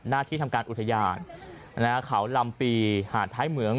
ที่ทำการอุทยานเขาลำปีหาดท้ายเหมือง